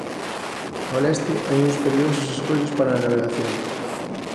Ao leste hai uns perigosos escollos para a navegación.